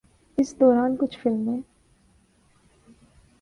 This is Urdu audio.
اس دوران کچھ فلمیں